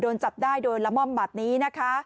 โดนจับได้โดยละม่อมแบบนี้นะคะ